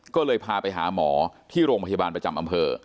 ก็เลยพาไปหาหมอที่โรงพยาบาลประจำอำเภอ